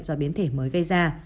do biến thể mới gây ra